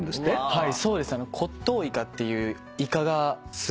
はい。